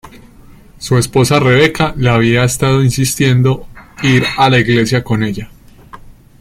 Su esposa Rebeca le había estado insistiendo ir a la iglesia con ella.